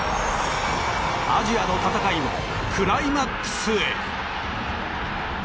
アジアの戦いもクライマックスへ。